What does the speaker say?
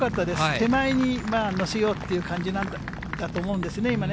手前に乗せようっていう感じなんだと思うんですね、今ね。